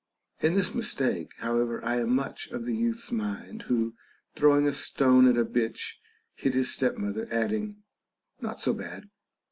In this mistake, however, I am much of the youth's mind who, throwing a stone at a bitch, hit his stepmother, adding, Not so bad.